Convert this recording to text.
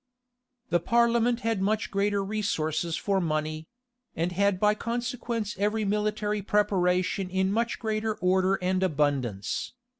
The parliament had much greater resources for money; and had by consequence every military preparation in much greater order and abundance.